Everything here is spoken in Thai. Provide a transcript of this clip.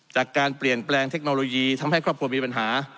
จากการเปลี่ยนแปลงเทคโนโลยีทำให้ครอบครัวมีปัญหา